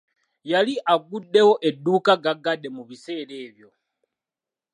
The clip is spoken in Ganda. Yali aguddewo edduuka gaggade mu biseera ebyo.